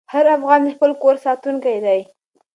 هر افغان د خپل کور ساتونکی دی.